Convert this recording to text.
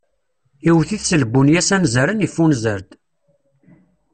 Iwwet-it s lbunya s anzaren iffunzer-d.